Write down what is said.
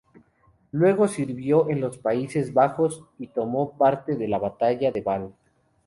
Luego sirvió en los Países Bajos y tomó parte en la Batalla de Val.